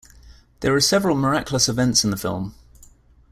There are several miraculous events in the film.